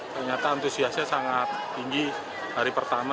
ternyata antusiasnya sangat tinggi hari pertama